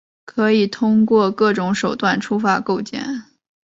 可以通过各种手段触发构建。